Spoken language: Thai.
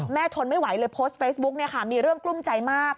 แม่ทนไม่ไหวเลยโพสต์เฟซบุ๊กมีเรื่องกลุ้มใจมาก